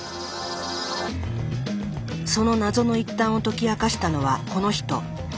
その謎の一端を解き明かしたのはこの人。